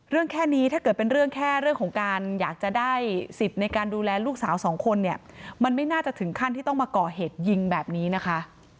แค่นี้ถ้าเกิดเป็นเรื่องแค่เรื่องของการอยากจะได้สิทธิ์ในการดูแลลูกสาวสองคนเนี่ยมันไม่น่าจะถึงขั้นที่ต้องมาก่อเหตุยิงแบบนี้นะคะ